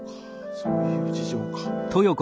そういう事情か。